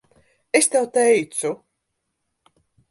Es tev teicu.